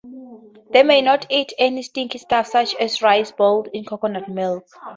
They may not eat any sticky stuff, such as rice boiled in coconut milk.